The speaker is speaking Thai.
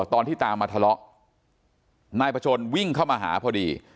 ตอนที่ตามมาทะเลาะนายประชนวิ่งเข้ามาหาพอดี